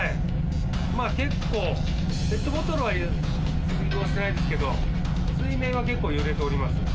まあ結構ペットボトルは移動してないですけど水面は結構揺れております。